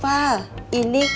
bukan karena apa